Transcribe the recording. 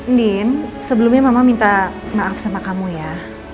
nding sebelumnya mama minta maaf sama kamu ya